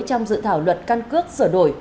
theo dự thảo luật căn cước sửa đổi